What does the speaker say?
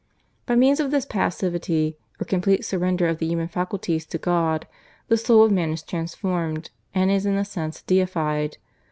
By means of this passivity or complete surrender of the human faculties to God the soul of man is transformed, and is in a sense deified.